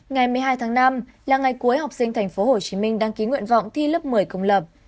ngày một mươi hai tháng năm là ngày cuối học sinh tp hcm đăng ký nguyện vọng thi lớp một mươi công lập